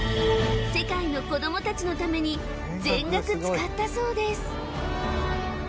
世界の子ども達のために全額使ったそうです！